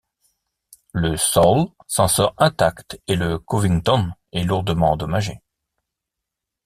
Le Saul s'en sort intact et le Covington est lourdement endommagé.